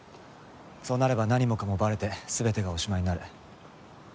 そうなれば何もかもバレて全てがおしまいになる。